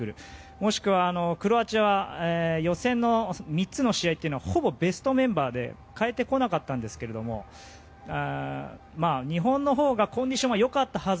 もしくはクロアチア、予選の３つの試合っていうのはほぼベストメンバーで代えてこなかったんですけれども日本のほうがコンディションは良かったはず。